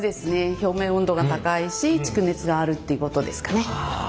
表面温度が高いし蓄熱があるっていうことですかね。